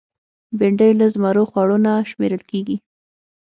بېنډۍ له زمرو خوړو نه شمېرل کېږي